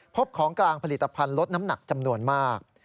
ของกลางผลิตภัณฑ์ลดน้ำหนักจำนวนมาก